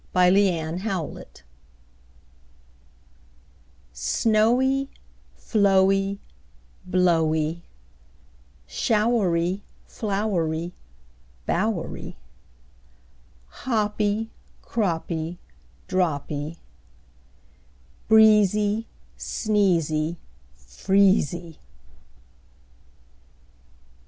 Y Z The Twelve Months SNOWY, Flowy, Blowy, Showery, Flowery, Bowery, Hoppy, Croppy, Droppy, Breezy, Sneezy, Freezy.